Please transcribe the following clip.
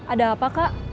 ada apa kak